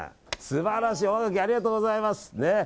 素晴らしいおはがきありがとうございます。